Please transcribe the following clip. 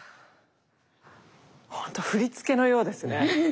ほんと振り付けのようですね。